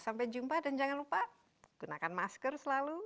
sampai jumpa dan jangan lupa gunakan masker selalu